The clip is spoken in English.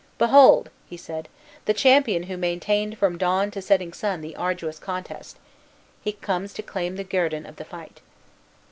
"Behold," he said "the champion who maintained from dawn to setting sun the arduous contest; he comes to claim the guerdon of the fight."